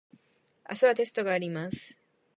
明日はテストがあります。